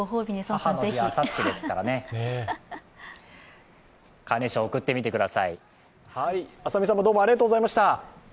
母の日、あさってですからね、カーネーションを贈ってみてください。